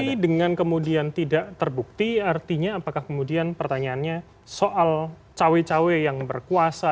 tapi dengan kemudian tidak terbukti artinya apakah kemudian pertanyaannya soal cawe cawe yang berkuasa